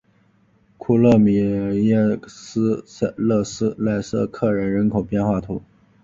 库勒米耶勒塞克人口变化图示